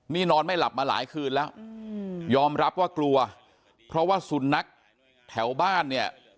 นี่นอนไม่หลับมาหลายคืนแล้วยอมรับว่ากลัวเพราะว่าสุนัขแถวบ้านเนี่ย